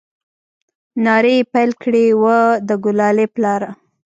نارې يې پيل كړې وه د ګلالي پلاره!